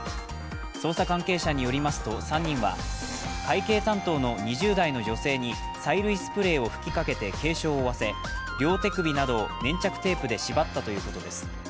捜査関係者によりますと３人は会計担当の２０代の女性に催涙スプレーを吹きかけて軽傷を負わせ、両手首などを粘着テープで縛ったということです。